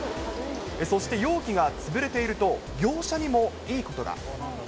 そして容器が潰れていると、業者にもいいことが。